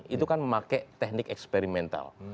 itu kan memakai teknik eksperimental